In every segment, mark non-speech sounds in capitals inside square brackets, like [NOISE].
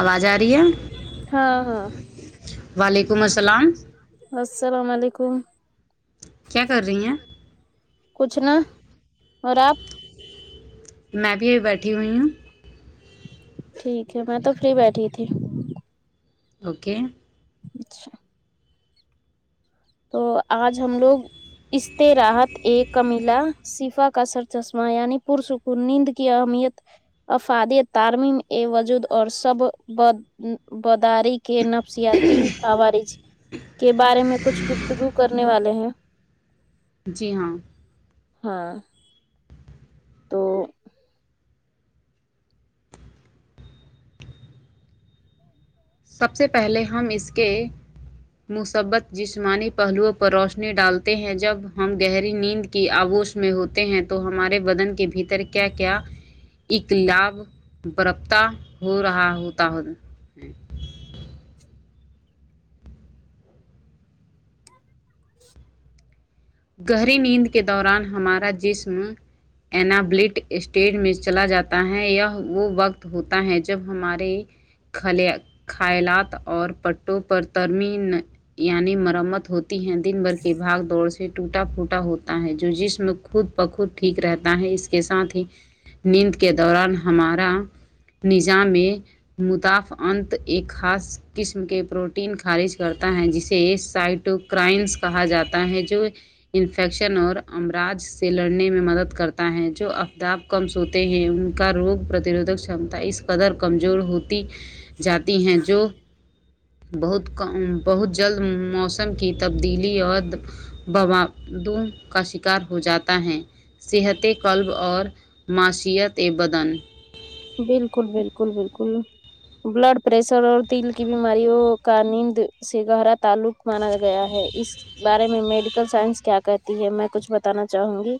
آواز آ رہی ہے ہاں ہاں وعلیکم السلام السلام علیکم کیا کر رہی ہیں کچھ نہ اور آپ میں بھی ابھی بیٹھی ہوئی ہوں ٹھیک ہے میں تو فری بیٹھی تھی اوکے اچھا تو آج ہم لوگ استے راحت ایک کمیلا شفا کا سر چشمہ یعنی پرسکون نیند کی اہمیت افادی تارمین اے وجود اور سب بد بداری کے نفسیاتی عوارج کے بارے میں کچھ گفتگو کرنے والے ہیں جی ہاں ہاں تو سب سے پہلے ہم اس کے مثبت جسمانی پہلوؤں پر روشنی ڈالتے ہیں جب ہم گہری نیند کی آگوش میں ہوتے ہیں تو ہمارے بدن کے بھیتر کیا کیا ایک لھو برپتا ہو رہا ہوتا گہری نیند کے دوران ہمارا جسم انابلٹ اسٹیج میں چلا جاتا ہے یہ وہ وقت ہوتا ہے جب ہمارے خلیا خیالات اور پٹوں پر ترمیم یعنی مرمت ہوتی ہیں دن بھر کی باگ دوڑ سے ٹوٹا پھوٹا ہوتا ہے جو جسم خود بخود ٹھیک رہتا ہے اس کے ساتھ ہی نیند کے دوران ہمارا نظام میں متاف انت ایک خاص قسم کے پروٹین خارج کرتا ہے جسے اس سائٹو کرائمس کہاں جاتا ہے جو انفیکشن اور امراج سے لڑنے میں مدد کرتا ہے جو افدب کم سوتے ہیں ان کا روگ پرتروھک چمتا اس قدر کمزور ہوتی جاتی ہیں جو بہت کم بہت جلد موسم کی تبدیلی اور بوادوں کا شکار ہو جاتا ہے صحت قلب اور معاشیت بدن بلکل بلکل بلکل بلڈ پریشر اور دل کی بیماریوں کا نند سے گہرا تعلق مانا گیا ہے اس بارے میں میڈیکل سائنس کیا کہتی ہے میں کچھ بتانا چاہوں گی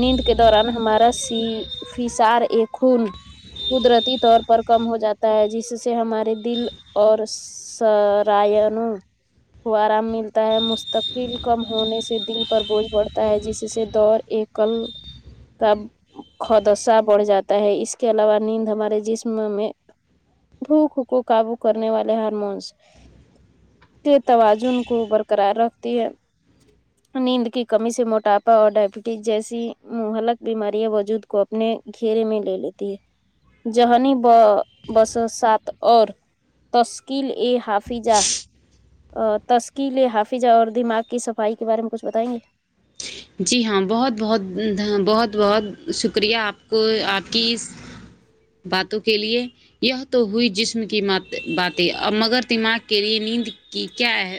نیند کے دوران ہمارا سی فسار ایک خون قدرتی طور پر کم ہو جاتا ہے جس سے ہمارے دل اور سرائن کو آرام ملتا ہے مستقل کم ہونے سے دل پر بوجھ پڑھتا ہے جس سے دور ایک کل کا خدشہ بڑھ جاتا ہے اس اس کے علاوہ نیند ہمارے جسم میں بھوک کو قابو کرنے والے ہارمونس کے توازن کو برقرار رکھتی ہے ہ نیند کی کمی سے موٹاپا اور ڈائبٹیز جیسی مہلک بیماریاں وجود کو اپنے گھیرے میں لے لیتے جہنی ب بسو سات اور تشکل ا حافیزا اور تشکیل حافظہ اور دماغ کی صفائی کے بارے میں کچھ بتائیں گے جی ہاں بہت بہت بہت بہت شکریہ آپ کو آپ کی باتوں کے لیے یہ تو ہوئی جسم کی باتیں ا مگر دماغ کے لیے نیند کی کیا ہے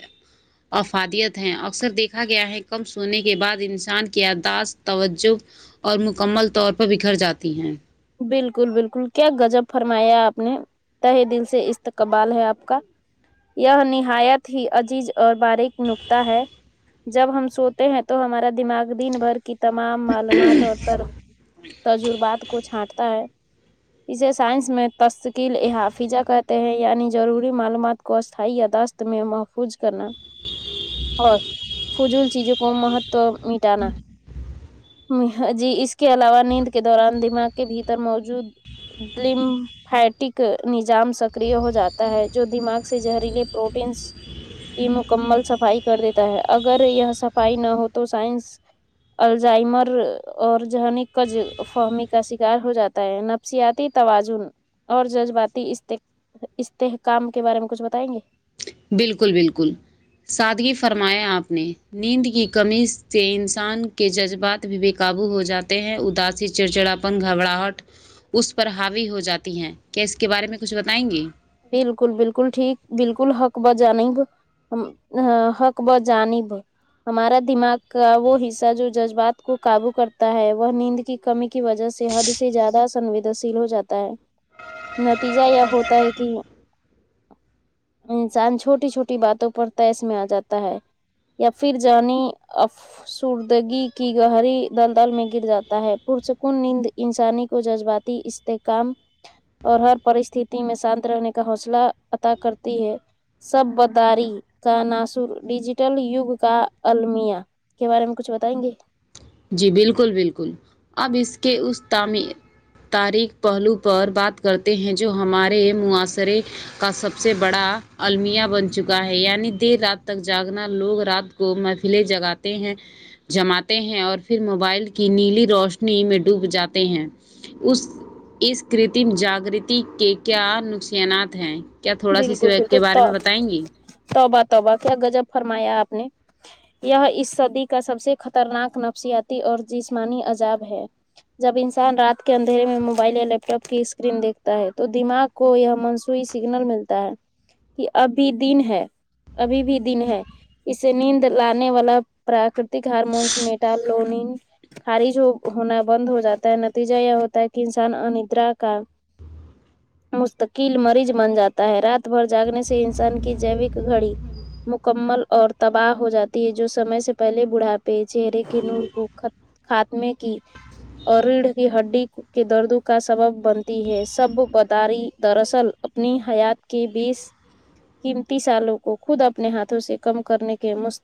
افادیت ہیں اکثر دیکھا گیا ہے کم سونے کے بعد انسان کی یاداشت توجہ اور مکمل طور پر بکھر جاتی ہیں بلکل بلکل کیا گاجب فرمایا آپ نے اتہ دل سے استقبال ہے آپ کا یہ نہایت ہی عجیز اور باریک نکطہ ہے جب ہم سوتے ہیں تو ہمارا دماغ دن بھر کی تمام معلومات اور تجربات کو چھانٹتا ہے اسے سائنس میں تشکیل حافظہ کہتے ہیں یعنی ضروری معلومات کو اسھائی یاداشت تو میں محفوظ کرنا اور فضول چیزوں کو مہتو مٹانا جی اس کے علاوہ نیند کے دوران دماغ کے بھیتر موجود الیم فیٹک نظام سکر ہو جاتا ہے جو دماغ سے زہریلے پروٹینس کی مکمل صفائی کر دیتا ہے اگر یہ صفائی نہ ہو تو سائنس الزائمر اور جہنی ک فاہمی کا س ار ہو جاتا ہے نفسیاتی توازن اور جذباتی اسٹے استحکام کے بارے میں کچھ بتائیں گے بالکل بالکل سادگی فرمایا آپ نے نیند کی کمی سے انسان کے جذبات بھی بے کابو ہو جاتے ہیں اداسی چڑچڑاپن گھبراہٹ اس پر حاوی ہو جاتی ہیں کیا اس کے بارے میں کچھ بتائیں گی بالکل بالکل ٹھیک بالکل حق بہ جانب ہم ح حق بہ جانب ہمارا دماغ کا وہ حصہ جو جذبات کو قابو کرتا ہے وہ نیند کی کمی کی وجہ سے حد سے زیادہ سنویدنشیل ہو جاتا ہے نتیجہ یہ ہوتا ہے کہ کہ انسان چھوٹی چھوٹی باتوں پر تیس میں آ جاتا ہے یا پھر جرنی آف سوردگی کی گہری دلدل میں گر جاتا ہے پرسکون نیند انسانی کو جذباتی اس استحکام اور ہر پرستتی میں شانت رہنے کا حوصلہ عطا کرتی ہے سب بداری کا ناصر ڈیجیٹل یوگ کا المیہ کے بارے میں کچھ بتائیں گے جی بالکل بالکل اب اس کے اس تعمیر تاریخ پہلو پر بات کرتے ہیں جو ہمارے معاصرے کا سب سے بڑا المیہ بن چکا ہے یعنی دیر رات تک جاگنا لوگ رات کو محفلیں جگاتے ہیں جماتے ہیں اور پھر موبائل کی نیلی روشنی میں ڈوب جاتے ہیں اس اس کرتم جاگرتی کے کیا نقصانات ہیں کیا تھوڑا بالکل سویت بالکل بارے تو میں بتائیں گی توبہ توبہ کیا گجب فرمایا آپ نے یا اس صدی کا سب سے خطرناک نفسیاتی اور جسمانی عذاب ہے جب انسان رات کے اندھیرے میں موبائل یا لیپٹاپ کی اسکرین دیکھتا ہے تو دماغ کو یہ منسوی سگنل ملتا ہے کہ اب بھی دن ہے ابھی بھی دن ہے اسے نیند لانے والا پراکرتک ہارمونس متالونین خارج ہو ہونا بند ہو جاتا ہے نتیجہ یہ ہوتا ہے کہ انسان اندرا کا مستقل مریض بن جاتا ہے رات بھر جاگنے سے انسان کی جیوک گھڑی مکمل اور تباہ ہو جاتی ہے جو سمے سے پہلے بڑھا پے چہرے کے نور کو ختم خاتمے کی اور ریڑھ کی ہڈی کے دردوں کا سبب بنتی ہے سب بداری دراصل اپنی حیات کی بیس قیمتی سالوں کو خود اپنے ہاتھوں سے کم کرنے کے مس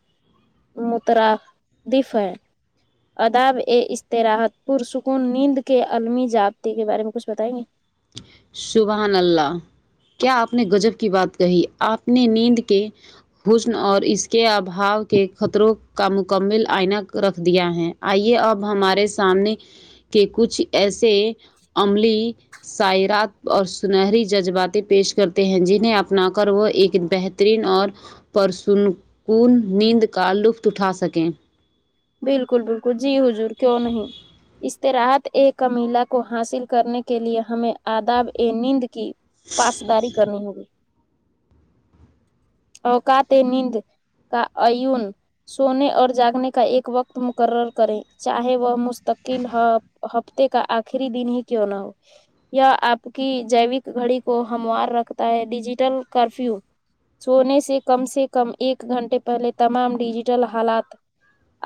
مترادف ہے آداب اے استراحت پر سکون نیند کے عالمی جابطے کے بارے میں کچھ بتائیں گے شبھان اللہ کیا آپ نے گجب کی بات کہی آپ نے نیند کے حسن اور اس کے ابھاؤ کے خطروں کا مکمل آئینہ رکھ دیا ہے آئیے اب ہمارے سامنے کے کچھ ایسے عملی شعرات اور سنہری جذباتیں پیش کرتے ہیں جنہیں اپنا کر وہ ایک بہترین اور پر سنکون نیند کا لطف اٹھا سکیں بالکل بالکل جی حضور کیوں نہیں استطاعت ا کمیلا کو حاصل کرنے کے لیے ہمیں آداب ا نیند کی پاسداری کرنی ہوگی اوقات نیند کا اون سونے اور جاگنے کا ایک ایک وقت مقرر کریں چاہے وہ مستقل ہفتے کا آخری دن ہی کیوں نہ ہو یا آپ کی جیوک گھڑی کو ہموار رکھتا ہے ڈیجیٹل کرفیو سونے سے کم سے کم ایک گھنٹے پہلے تمام ڈیجیٹل حالات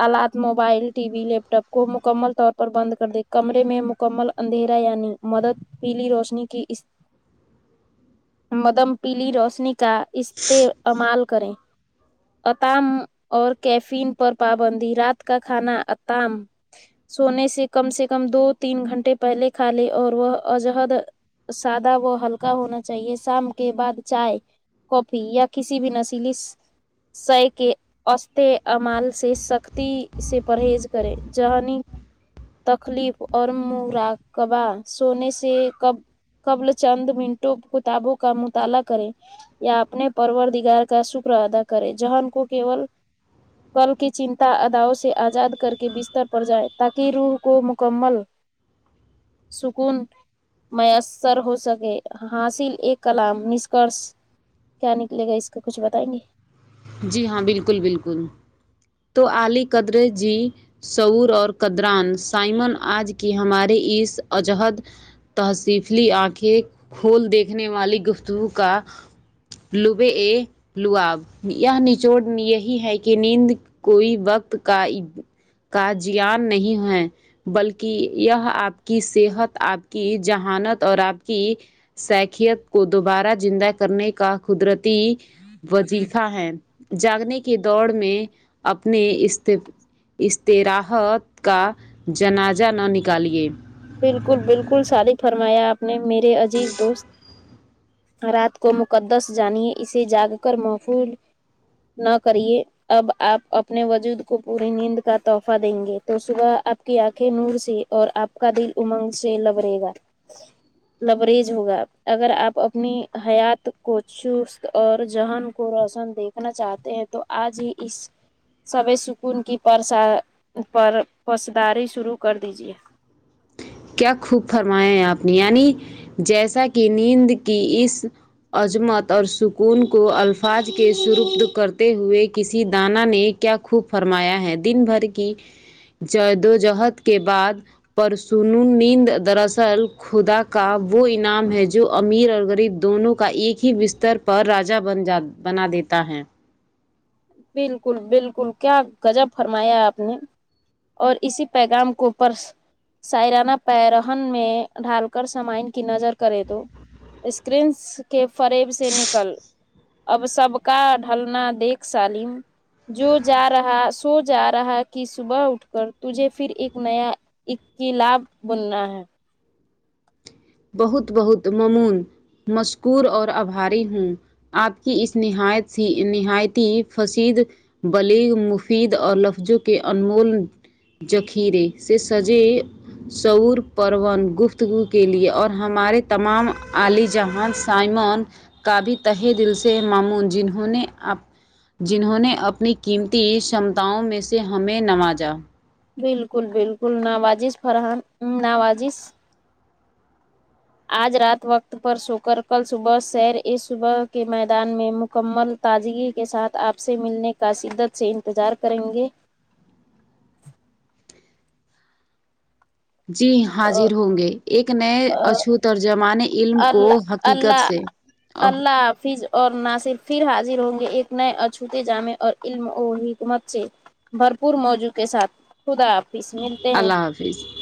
آلات mobile TV laptop کو مکمل طور پر بند کر دے کمرے میں کمل اندھیرا یعنی مدد پیلی روشنی کی اس مدم پیلی روشنی کا استعمال کریں اتام اور کیفین پر پابندی رات کا کھانا اتام سونے سے کم سے کم دو تین گھنٹے پہلے کھا لے اور وہ عجہد سادہ وہ ہلکا ہونا چاہیے شام کے بعد چائے کافی یا کسی بھی نشیلی سے کے اس امال سے سختی سے پرہیز کرے جانی تکلیف اور مرااکبہ سونے سے کب قبل چند منٹوں کتابوں کا مطالعہ کریں یا اپنے پرور دیگار کا شکر ادا کرے جہن کو کیول کل کی چنتا اداؤ سے آزاد کر کے بستر پر جائیں تاکہ روح کو مکمل سکون میسر ہو سکے حاصل ایک کلام نشکرش کیا نکلے گا اس کو کچھ بتائیں گے جی ہاں بلکل بلکل تو علی قدرے جی سور اور قدران سائمن آج کی ہمارے اس عجہد تحصیفلی آنکھیں کھول دیکھنے والی گفتگو کا لبے اے لو آب یہ نچوڑ یہی ہے کہ نیند کوئی وقت کا کا جیان نہیں ہے بلکہ یہ آپ کی صحت آپ کی جہانت اور آپ کی سخیت کو دوبارہ زندہ کرنے کا قدرتی وز کا ہے جاگنے کے دوڑ میں اپنے اس اتراحت کا جنازہ نہ نکالیے بلکل بلکل صادق فرمایا آپ نے میرے عزیز دوست رات کو مقدس جانیے اسے جاگ کر محفول نہ کریے اب آپ اپنے وجود کو پوری نیند کا تحفہ دیں گے تو صبح آپ آ کی آنکھیں نور سے اور آپ کا دل امنگ سے لبرےگا لبریز ہوگا اگر آپ اپنی حیات کو چست اور جذہن کو روشن دے کرنا چاہتے ہیں تو آج ہی اس سو سکون کی پرس پر پسداری شروع کر دیجیے کیا خوب فرمایا ہیں آپ نے یعنی جیسا کہ نیند کی اس عظمت اور سکون کو الفاظ کے سربد کرتے ہوئے کسی دانا نے کیا خوب فرمایا ہے دن بھر کی جدوجہد کے بعد پرسوں سنو نیند دراصل خدا کا وہ انعام ہے جو امیر اور غریب دونوں کا ایک ہی کے بستر پر راجا بنجا بنا دیتا ہے بلکل بلکل کیا گجب فرمایا آپ نے اور اسی پیغام کو پرس سائرانہ پہرن میں ڈھال کر سامائن کی نظر کرے تو اسکرینس کے فریب سے نکل اب سب کا ڈھلنا دیکھ سالم جو جا رہا سو جا رہا کہ صبح اٹھ کر تجھے پھر ایک نیا اختلاف بننا ہے بہت بہت ممون مشکور اور آبھاری ہوں آپ کی اس نہایت سی نہایتی فصد بلیغ مفید اور لفظوں کے انمول ذخیرے سے سجے شعور پروان گفتگو کے لیئے اور ہمارے تمام عالی جہاں سائمان کا بھی تہہ دل سے مامون جنہوں نے اپ جنہوں نے اپنی قیمتی شمتاؤں میں سے ہمیں نوازا بالکل بالکل نوازش فراہم نوازش آج رات وقت پر سو کر کل صبح سیر اس صبح کے میدان میں مکمل تازگی کے ساتھ آپ سے ملنے کا شدت سے انتظار کریں گے جی حاضر ہوں گے ایک نئے اچھوت اور زمانہء علم کو اللہ حقیقت اللہ سے آہ اللہ حافظ اور ناصرف پھر حاضر ہوں گے ایک نئے اچھوتے جامع اور علم و حکمت سے بھرپور موضوع کے ساتھ خدا حافظ ملتے ہیں [UNINTELLIGIBLE]